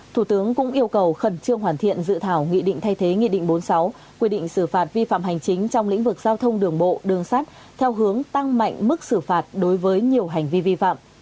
thủ tướng cũng yêu cầu khẩn trương hoàn thiện dự thảo nghị định thay thế nghị định bốn mươi sáu quy định xử phạt vi phạm hành chính trong lĩnh vực giao thông đường bộ đường sát theo hướng tăng mạnh mức xử phạt đối với nhiều hành vi vi phạm